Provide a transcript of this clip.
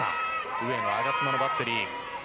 上野、我妻のバッテリー。